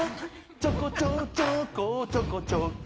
ちょこちょちょこちょこちょこ